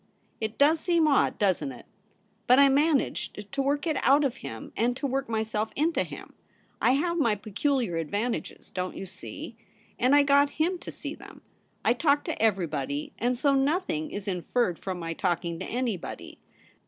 It does seem odd, doesn't it ? But I managed to work it out of him and to work myself into him. I have my peculiar advantages, don't you see ? and I got him to see them. I talk to every body, and so nothing is inferred from my talking to anybody.